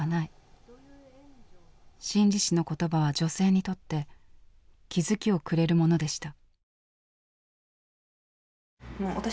心理師の言葉は女性にとって気付きをくれるものでした。